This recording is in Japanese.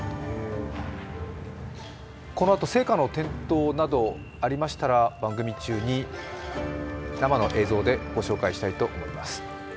このあと聖火の点灯などありましたら、番組中に、生の映像でご紹介したいと思います。